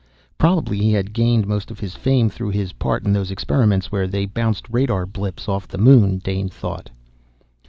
Probably he had gained most of his fame through his part in those experiments where they bounced radar blips off the moon, Dane thought.